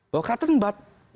bahwa keratin bat